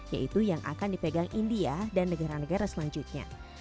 yaitu yang akan dipegang india dan negara negara selanjutnya